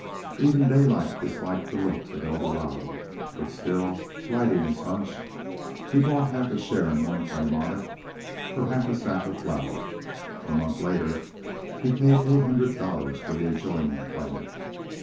Even Daylight disliked the looks of Eldorado; but, still riding his hunch, he bought a half share in one claim on it for half a sack of flour. A month later he paid eight hundred dollars for the adjoining claim.